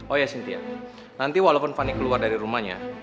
oh iya cynthia nanti walaupun fanny keluar dari rumahnya